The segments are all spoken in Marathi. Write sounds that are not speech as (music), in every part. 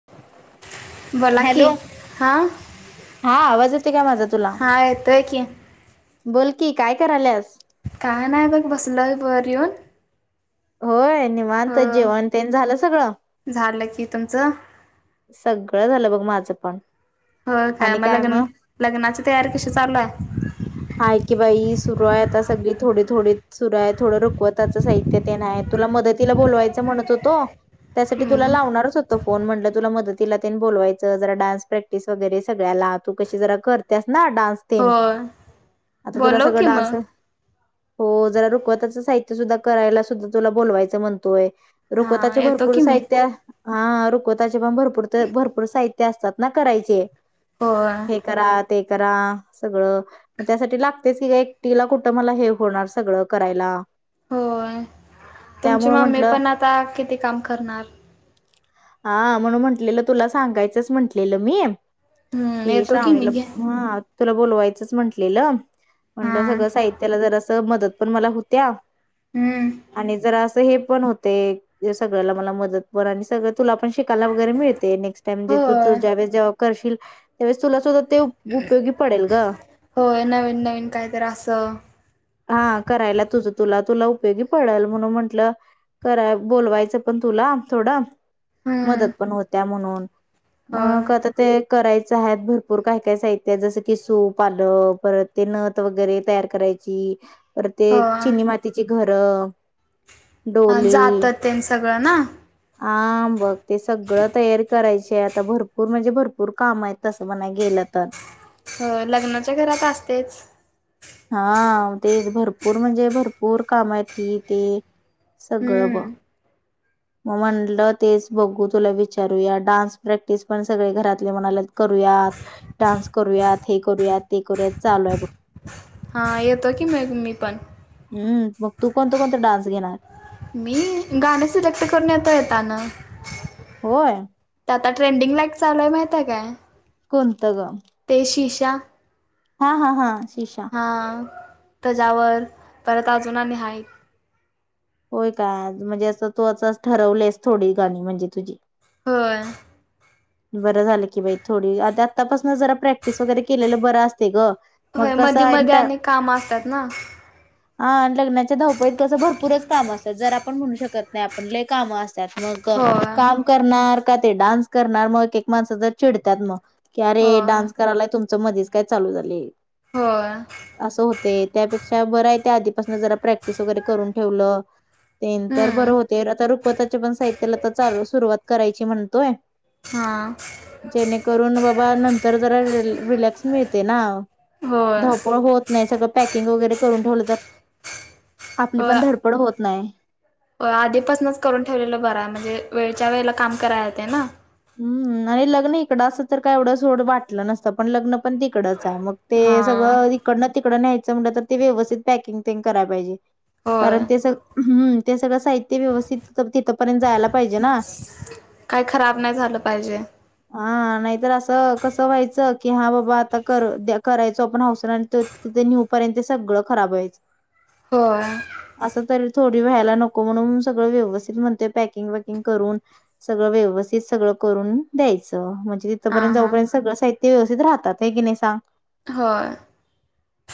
(unintelligible) बोला की, हॅलो हा. हा आवाज येतोय काय माझा तुला? हा येतोय की बोल की काय कराल्यास. काय नाही बघ बसलोय वर येऊन. होय, हो निवांत हायस जेवण तेन झालं सगळं? झालं की, तुमचं? सगळं झालं बघ, माझं पण. हो काय मग लग्न, लग्नाची तयारी कशी चालू हाय? हाय की बाई, सुरू हाय आता सगळी थोडी- थोडी सुरू हाय, थोडं रुकवताच साहित्य तेन हायत. तुला मदतीला बोलवायचं म्हणत होतो, त्यासाठी तुला हम्म, लावणारच होतो फोन म्हटलं तुला मदतीला बोलयचं, जरा डान्स प्रॅक्ट टीस वगैरे सगळ्याला तू कशी जरा करत्यास ना डान्स. तेन होय. आता तुला बोलव सगळं की डान्स मग हो जरा रुखवताचं साहित्य सुद्धा करायला सुद्धा तुला बोलवायचं म्हणतोय. हा रुखवताचे येतो भरपूर की मी साहित्य हा रुकवताचे पण भरपूर- भरपूर साहित्य असतात ना, करायचे. होय. हे करा, ते करा सगळं. मग त्यासाठी लागतयच की गं, एकटीला कुठं मला हे होणार सगळं करायला. होय, तुमची त्यामुळं मम्मी म्हंटलं पण आता किती काम करणार? हा म्हणून म्हटलेलं, तुला सांगायचंच म्हटलेलं मी. हम्म की येतो मी श्रावणीला घे ह तुला बोलवायचंच म्हंटलेलं, हा म्हंटलं सगळं साहित्य त्याला जरासं मदत पण मला होत्या हम्म आणि जरा असं हे पण होतंय. सगळ्याला मला मदत पण आणि सगळं तुला पण शिकायला वगैरे मिळतंय नेक्स्ट टाइम जे होय तूज्यावेळेस जेव करशील त्यावेळेस तुला सुद्धा ते उपयोगी पडेल ग. होय नवीन- नवीन कायतर असं. हा करायला तुझं -तुला तुला उपयोगी पडंल म्हणून म्हंटलं कराय बोलवायचं पण तुला थोडं. मदत हम्म पण होत्या म्हणून होय मग आता ते, करायच आहेत भरपूर काही काय साहित्य जसं की सूप आलं परत ते नथ वगैरे तयार करायची, परत ते होय चिनी मातीची घरं, हा डोली. जातात तेन सगळं ना. आं बघ ते सगळं तयारी करायची हाय आता भरपूर म्हणजे भरपूर कामं आहेत. तसं म्हणाय गेलं तर. होय लग्नाच्या घरात असतंयच. हा तेच भरपूर म्हणजे भरपूर कामं आहेत ही, ते. सगळं बघ. हम्म मग म्हटलं तेच बघू तुला विचारूया, डान्स प्रॅक्टिस पण सगळे घरातले म्हणाल्यात करूयात, डान्स करूयात, हे करूयात, ते करूयात चालू आहे बघ. हा येतो की मग मी पण. हम्म. मग तू कोणत कोणता डान्स घेणार? मी गाण सिलेक्ट करून येतो येताना. होय. आता ट्रेंडिंग लाईक चालूय माहिते काय? कोणंत गं? ते शीशा. हा हा हा. शीशा. हा. त्याच्यावर परत अजून आणि हाय होय काय. म्हणजे असं तू आ ठरवलेस थोडी गाणी म्हणजे तुझी होय. बरं झालं की बाई थोडी, आता आतापासंन जरा प्रॅक्टिस वगैरे केलेलं बर असतय ग. मग होय कसं मध्ये आईन मध्ये आणि काम असतात टाइमाला ना. हा. लग्नाच्या धावपळीत कसं भरपूरच काम असतात. जरा म्हणू शकत नाही आपण, लयं काम असत्यात. मग होय काम करणार का ते डान्स कर ना एक माणसं जर चिडतात मग. अरे होय डान्स करायला तुमच मध्येच काय चालू झाले. होय असं होतंय. त्यापेक्षा बरं आहे त्या आधीपासून जरा प्रॅक्ट करून ठेवलं, तेंन तर बरं हम्म होते. आता रुकवताचे पण साहित्य त्याला तर चालू सुरुवात करायची म्हणतोय. हा. जेणेकरून बाबा नंतर जरा रिलॅक्स मिळते ना. होय धावपळ होत नाही. सगळं पॅकिंग वगैरे करून ठेवलं तर आपली पण होय. धडपड होत नाही. आधीपासूनच करून ठेवलेलं बरं आहे. म्हणजे वेळच्या वेळेला काम कराये होते ना. हम्म. आणि लग्न इकडं असं तर काय एवढंं सोड वाटलं नसतं. पण लग्न पण तिकडंच आहे मग ते हा सगळं इकडन तिकडं न्यायचं म्हटलं तर, ते व्यवस्थित पॅकिंग तें कराय पाहिजे. कारण होय ते सग, हम्म. ते सगळं साहित्य व्यवस्थित तिथपर्यंत जायला पाहिजे ना. काही खराब नाही झालं पाहिजे. हा नाहीतर असं कसं व्हायचं, की हा बाबा आता कर द्या करायचं पन हाऊस राहिल. आणि त तिथं न्यू पर्यंत ते सगळं खराब व्हायचं. होय. असं तरी थोडी व्हायला नको, म्हणून सगळं व्यवस्थित म्हणते पॅकिंग वॅकिंग करून. सगळं व्यवस्थित सगळं. करून द्यायचं. म्हणजे हा तिथपर्यंत हा जाऊपर्यंत सगळं साहित्य व्यवस्थित राहतात. हे की नाही सांग? होय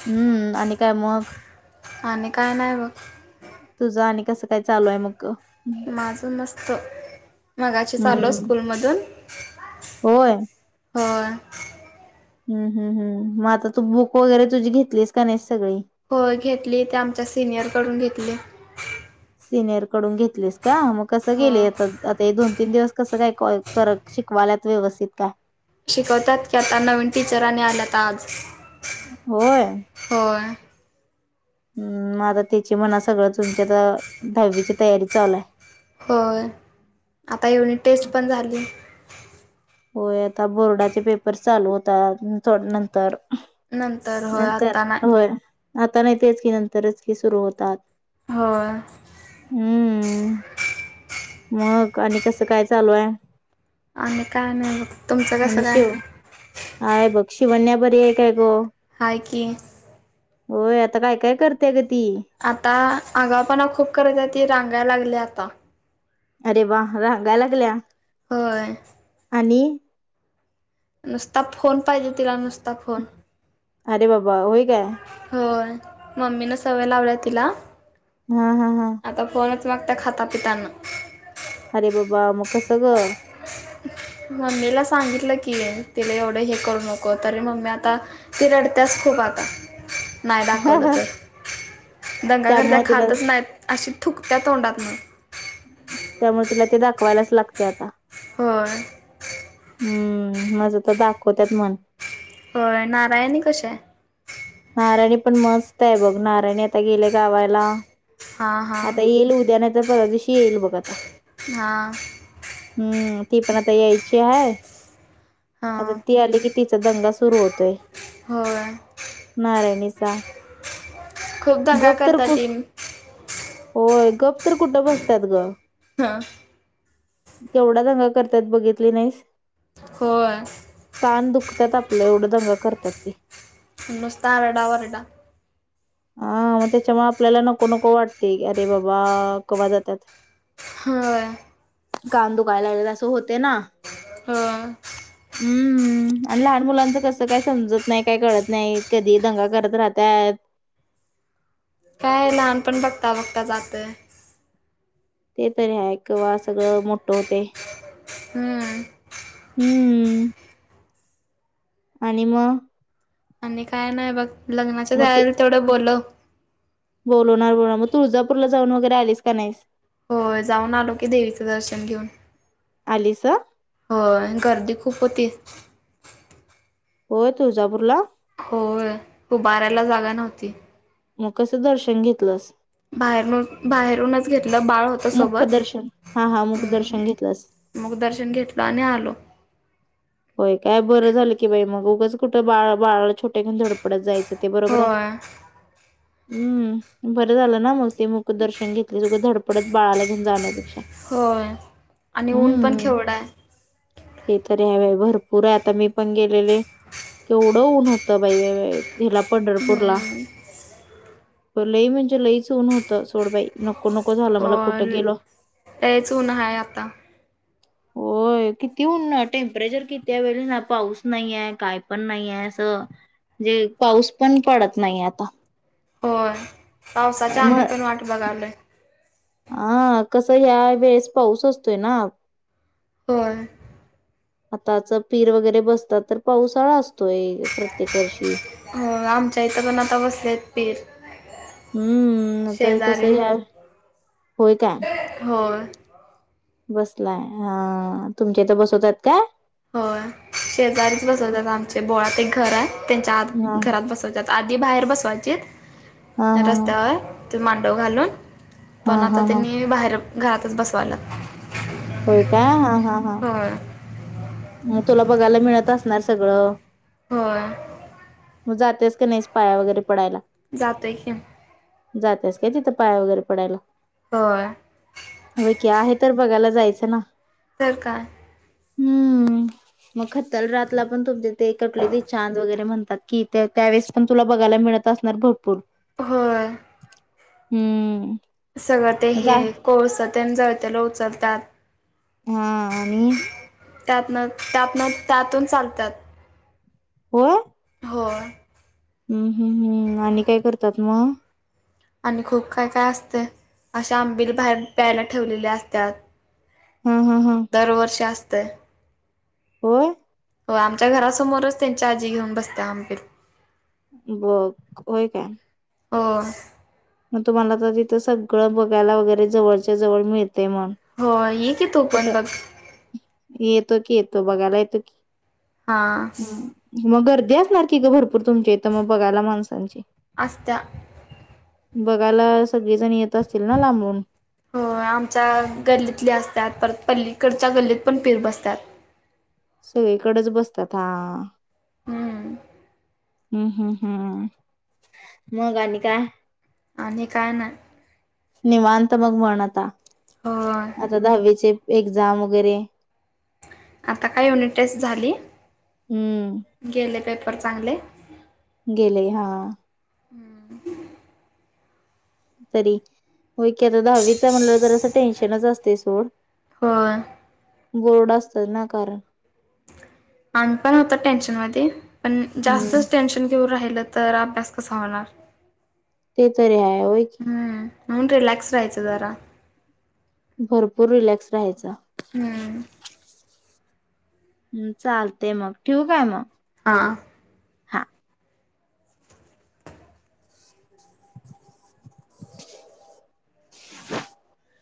(inaudible) हम्म आणि काय मग? (inaudible) आणि काय नाही बघ तुझं आणि कसं काय चालू आहे मग? माझं मस्त. मगाचीच आलो स्कूल मध (inaudible) होय होय. हम् हम् हम्. मग आता तू बुक वगैरे तुझी घेतलीस का नाही सगळी? होय घेतली, ते आमच्या सिनियर कडून घेतली. सिनियर कडून घेतलेस का? मग कसं हो गेलेत? आता हे दोन तीन दिवस कसं काय, कर शिकवालात व्यवस्थित काय? शिकवतात की. आता नवीन टीचरांने आल्यात आज. होय. होय. हम्. आता त्याची म्हणा सगळं तुमच्या आ दहावीची तयारी चालुयं. होय आता युनिट टेस्ट पण झाली. होय आता बोर्डाचे पेपर चालू होतात थोड नंतर. नंतर होय नंतर आता नाही होय आता नाही तेच कि नंतरच कि सुरू होतात. होय. हम्म मग आणि कसं काय चालूय? आणि काय नाय बग? आणि शिव हाय बघ शिवण्या बरी आहे काय ग? हाय की. होय आता काय काय करतेय ग ती? आता आगाऊपणा खूप करत आहे ती रांगाय लागली आता. अरे वा रांगाय लागल्या. होय. आणि? नुसता फोन पाहिजे तिला नुसता फोन. अरे बाबा होय काय? होय मम्मी न सवय लावलाय तिला. हां हां हां. आता फोनच मागतेय खाता पिताना. अरे बाबा मग कस गं? मम्मीला सांगितलं की तिला एवढं हे करू नको तरी मम्मी आता ती रडत्यास खूप आता नाही दाखवलं तर. दंगा करत्याय त्यामुळे तिला खातच नाहीत अशी थुकत्या तोंडातन. त्यामुळ तिला ते दाखवायलाच लागते आता. होय. हम्म माझं तर दाखवत्यात मन. होय नारायणी कशीय? नारायणी पण मस्तय बघ नारायणी आता गेली गावाला. हा हा आता येईल उद्या नाही तर परवा दिवशी येईल बघ आता. हां. हम्म ती पण आता यायची हाय हा आता ती आली कि तिचा दंगा सुरू होतोय. होय. नारायणीचा खूप दंगा गप तर करत्या कु ती. होय गप तर कुठं बसत्यात ग? हं. केवढा दंगा करत्यात बघितली नाहीस? होय. कान दुखत्यात आपलं एवढं दंगा करत्यात ती. नुसता आरडा वोरडा. हा मग त्याच्यामुळे आपल्याला नको नको वाटतय अरे बाबा कवा जात्यात? होय. कान दुखाय लागलेत असं होते ना. हो. हम्म आणि लहान मुलांचं कसं काय समजत नाही, काय कळत नाही, कधी दंगा करत राहतायत. काय लहानपण बघता बघता जातंय. ते तरी ह्याय कवा सगळं मोठं होते. हम्म. हम्म. आणि मग आणि काय नाही बघ. लग्नाच्या मग तू तयारीला तेवढं बोलव. बोलवणार बोलवणार मग तुळजापूरला जाऊन वगैरे आलीस का नाहीस? होय. जाऊन आलो की देवीचं दर्शन घेऊन. आलीस. होय गर्दी खूप होती. होय. तूळजापुरला. होय उभारायला जागा नव्हती. मग कसं दर्शन घेतलंस? बाहेरुन. बाहेरूनच घेतलं बाळ होत. मुख दर्शन. हा हा मुख दर्शन घेतलंस. मुख दर्शन घेतलं आणि आलो. होय काय बरं झालं की बाई. मग उगंच कुठं बा बाळाला छोट्या घेऊन धडपडत जायच. ते बरोबर आहे. होय हम्म. बर झालं ना मग. ते मुख दर्शन घेतलेल. उगच धडपडत बाळाला घेऊन जाण्यापेक्षा. होय आणि ऊन पण हम्म केवढ हाय. ते तरी हाय बाई. भरपूर आहे आता. मी पण गेलेले केवढं ऊन होतं बाई बाई बाई. ह्याला पंढरपूरला. हम्म. लई म्हणजे लईच ऊन होतं सोड बाई नको नको नको झाल मला होय कुठं गेल लयच ऊन आहे आता होय किती ऊन हाय टेम्परेचर कि त्यां वेळी नां पाऊस नाहीये कायं पणं नाहीये असं. म्हणजे पाऊस पणं पडतं नाही आता. होय. पावसांच्या आम्ही पण वाट बघालोय. हां कसं या वेळेस पाऊस असतोयं ना. होय. आताचं पीर वगैरें बसतात तर पावसाळा असतोय. प्रत्येक वर्षी. हो आमच्यां इथं पण आता बसले आहेत पीर. हम्मं. आता शेजारी कसं ह्यांत होयं काय. होय. बसलाय. हां तुमच्यां इथं बसवतात काय? हो शेजारीचं बसवतात आमच्या बोळात एक घरं आहे. त्यांच्या आत हा घरांत बसवतात. आधी बाहेर बसवायचीत. हा हा रस्त्यांवर ते मांडव घालूंन. हा हा पणं आंता हा हा त्यांनी बाहेर घरातचं बसवायल्यात. होयं काय. हां हां हां. होय मगं तुला बघायलां मिळतं असणारं सगळं. होय. मगं जातेस की नाहीसं पाया वगैरें पडायलां. जातोय की. जातेस काय तिथं पायां वगैरे पडायला. होय. होयं की आहे तर बघायला जायचं ना. तरं कायं? हम्म, मग खत्तल रातलां पणं तुमचे ते कुठले ते चांद वगैरे म्हणतांत. कि त्या त्यावेळेसं पण तुला पण बघायला मिळत असणार भरपूर. होय. हम्म. सगळं ते हे जा कोळसा ते जळतेलां उचलतात. हां आणि त्यातनं त्यातनं त्यातून चालतातं. व्हय? हो. हम्मं हम्मं हम्मं आणि काय करतात मग? आणि खूप काय काय असते, अशा आंबिलं बाहेर प्यायलां ठेवलेल्या असत्यात. हम्म हम्म हम्म. दरवर्षी असतय. होय? हो आमच्यां घरासमोरचं त्यांच्या आजी घेऊन बसते आंबील. बघं होय काय? हो. मग तुम्हाला तर तिथं सगळं बघायला वगैरे जवळच्या जवळ मिळते मग. हो ये की तू पण कुठं बघ. येतो की येतो बघायलां येतो की हा हम्म. मग गर्दी असणार की ग भरपूर तुमच्या इथं मग बघायला माणसांची? असत्या. बघायलां सगळेजण येत असतील ना लांबून? हो आमच्या गल्लीतले असतात, परत पल्लीकडच्या गल्लीतं पण पीर बसतात. सगळीकडेचं बसतात हां. हम्म. हम्मं हमं हम्मं मगं आणि काय? आणि काय नाय. निवांत मग म्हण आता. होय. आता दहावीचे एक्झाम वगैरे? आता काय युनिट टेस्ट झाली, हम्म गेले पेपर चांगले. गेले हा. हम्म. तरी होय की आता दहावीचं म्हणल्यावर जरास टेन्शनच असतय सोड. होय. बोर्ड असतं ना कारण. आम्ही पण होतो टेन्शन मधी, पण हम्म जास्तच टेन्शन घेऊ राहिलं तर, अभ्यास कसा होणार? ते तरी हाय होय. की हम्म म्हणून रिलॅक्स रहायचं जरा. भरपूर रिलॅक्स राहायचं. हम्म. हम्म चालते मग ठेवू काय मग? हां. हा (inaudible)